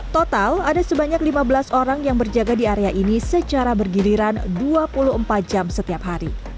total ada sebanyak lima belas orang yang berjaga di area ini secara bergiliran dua puluh empat jam setiap hari